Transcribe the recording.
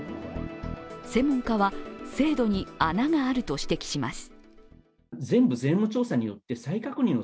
専門家は制度に穴があると指摘します。